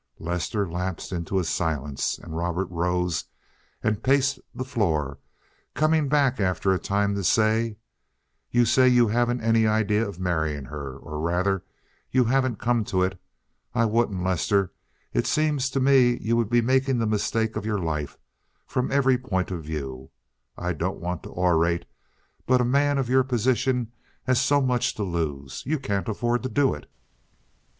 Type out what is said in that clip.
Lester lapsed into a silence, and Robert rose and paced the floor, coming back after a time to say: "You say you haven't any idea of marrying her—or rather you haven't come to it. I wouldn't, Lester. It seems to me you would be making the mistake of your life, from every point of view. I don't want to orate, but a man of your position has so much to lose; you can't afford to do it.